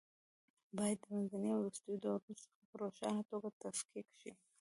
باید د منځنۍ او وروستۍ دورې څخه په روښانه توګه تفکیک شي.